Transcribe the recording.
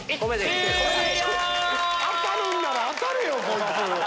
当たるんなら当たれよこいつ。